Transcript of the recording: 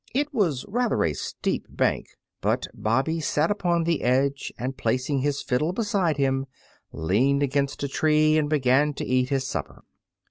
It was rather a steep bank, but Bobby sat upon the edge, and placing his fiddle beside him, leaned against a tree and began to eat his supper.